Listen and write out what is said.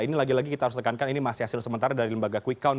ini lagi lagi kita harus tekankan ini masih hasil sementara dari lembaga quick count